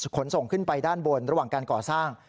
ขนส่งขึ้นไปด้านบนระหว่างการก่อสร้าง